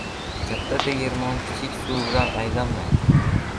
• Katta tegirmon kichik suv bilan aylanmaydi.